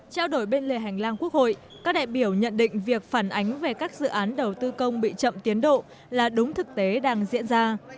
trao đổi bên lề hành lang quốc hội các đại biểu nhận định việc phản ánh về các dự án đầu tư công bị chậm tiến độ là đúng thực tế đang diễn ra